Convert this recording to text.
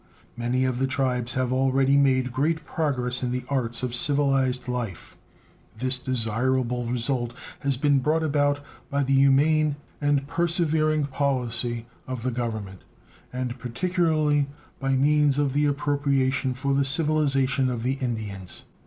Many of the tribes have already made great progress in the arts of civilized life. This desirable result has been brought about by the humane and persevering policy of the Government, and particularly by means of the appropriation for the civilization of the Indians.